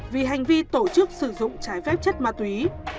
vì hành vi tổ chức sử dụng trái phép chất ma túy